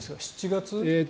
７月。